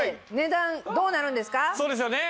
そうですよね。